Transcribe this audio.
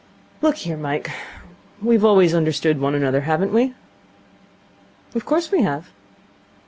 'Look here, Mike, we've always understood one another, haven't we?' 'Of course we have.'